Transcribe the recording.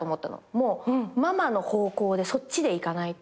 もうママの方向でそっちで行かないと。